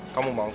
kamu mau gak